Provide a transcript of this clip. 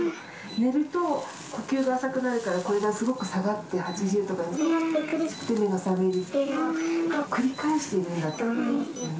寝ると呼吸が浅くなるから、これがすごく下がって、８０とかに下がって、苦しくて目が覚めるのを繰り返していくんだと思いますね。